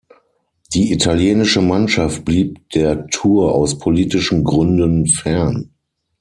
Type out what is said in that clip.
Die italienische Mannschaft blieb der Tour aus politischen Gründen fern.